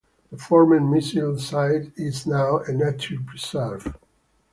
The former missile site is now a nature preserve.